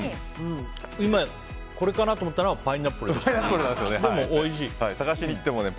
今、これかな？と思ったのはパイナップルでした。